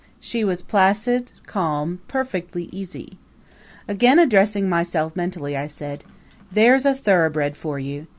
She was placid, calm, perfectly easy. Again addressing myself mentally I said: "There's a thoroughbred for you!